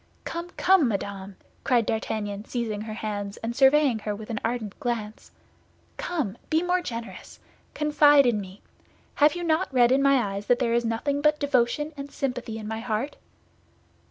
Come, come, madame!" cried D'Artagnan, seizing her hands, and surveying her with an ardent glance, "come, be more generous. Confide in me. Have you not read in my eyes that there is nothing but devotion and sympathy in my heart?"